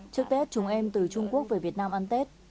trước tết chúng em từ trung quốc về việt nam ăn tết